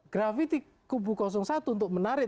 grafiti kubu satu untuk menarik